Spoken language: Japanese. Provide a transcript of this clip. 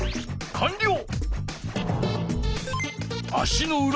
かんりょう！